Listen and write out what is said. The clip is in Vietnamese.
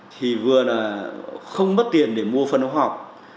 thì vừa là không mất tiền để mua phần học